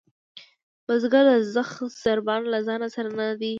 بزگر د زخ سرباڼه له ځانه سره نه ده راوړې.